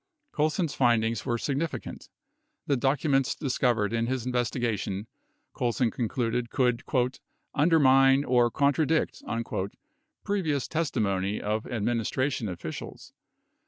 Colson's findings were significant. The documents discovered in his investigation, Colson concluded, could "undermine" or "contradict " 56 previous testimony of administration officials.